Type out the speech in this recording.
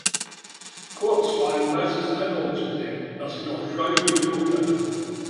Kurz war ein weißes Einhorn zu sehen, das jedoch scheu die Flucht ergriff.